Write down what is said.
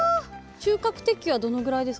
収穫適期はどのぐらいですか？